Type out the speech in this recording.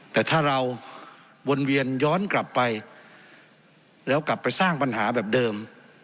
แต่ถ้าเราวนเวียนย้อนกลับไปแล้วกลับไปสร้างปัญหาแบบเดิม